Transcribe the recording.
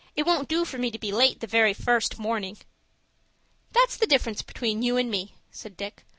"It won't do for me to be late the very first morning." "That's the difference between you and me," said Dick.